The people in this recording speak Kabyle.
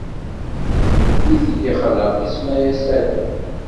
Mi t-id-ixleq, isemma-yas Adam.